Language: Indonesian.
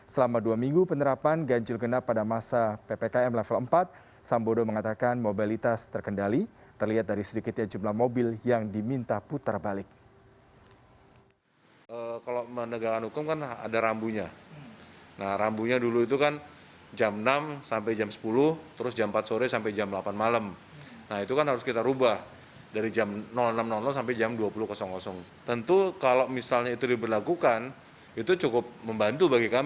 selama dua minggu penerapan ganjil genap pada masa ppkm level empat sambodo mengatakan mobilitas terkendali terlihat dari sedikitnya jumlah mobil yang diminta putar balik